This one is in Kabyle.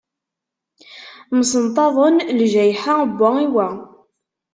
Msenṭaḍen ljayḥa n wa i wa.